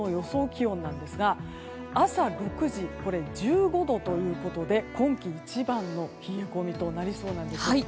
気温なんですが朝６時、１５度ということで今季一番の冷え込みとなりそうなんですね。